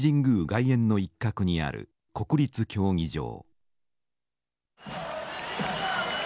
外苑の一角にある国立競技場。